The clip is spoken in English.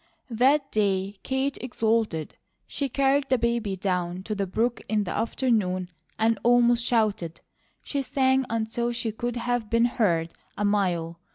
That day Kate exulted. She carried the baby down to the brook in the afternoon and almost shouted; she sang until she could have been heard a mile.